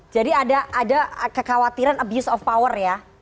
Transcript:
jadi ada kekhawatiran abuse of power ya